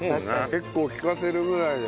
結構利かせるぐらいで。